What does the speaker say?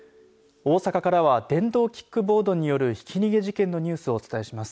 大阪からは電動キックボードによるひき逃げ事件のニュースをお伝えします。